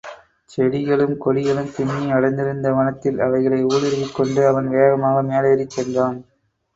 செடிகளும் கொடிகளும் பின்னி அடர்ந்திருந்த வனத்தில் அவைகளை ஊடுருவிக் கொண்டு அவன் வேகமாக மேலேறிச் சென்றான்.